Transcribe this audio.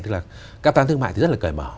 các tham tán thương mại rất là cải mở